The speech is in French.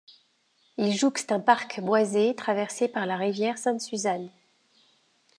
Il jouxte un parc boisé, traversé par la rivière Sainte-Suzanne.